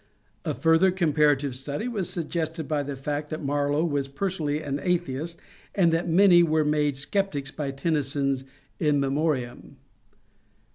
A further comparative study was sug gested by the fact that Marlowe was personally an atheist and that many were made sceptics by Tennyson's '' In Memoriam."